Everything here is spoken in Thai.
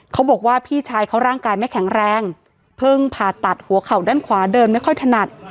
เขาบอกว่าพี่ชายเขาร่างกายไม่แข็งแรงเพิ่งผ่าตัดหัวเข่าด้านขวาเดินไม่ค่อยถนัด